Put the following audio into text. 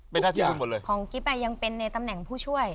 เป็นหน้าที่คุณหมดเลยของกิ๊บอ่ะยังเป็นในตำแหน่งผู้ช่วย